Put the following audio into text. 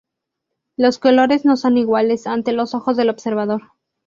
Los colores no son iguales ante los ojos del observador.